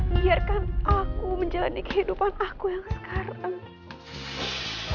biarkan aku menjalani kehidupan aku yang sekarang